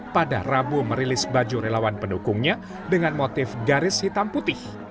pada rabu merilis baju relawan pendukungnya dengan motif garis hitam putih